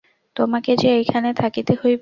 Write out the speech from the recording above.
তোমাকে যে এইখানে থাকিতে হইবে।